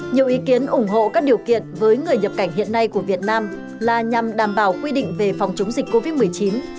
nhiều ý kiến ủng hộ các điều kiện với người nhập cảnh hiện nay của việt nam là nhằm đảm bảo quy định về phòng chống dịch covid một mươi chín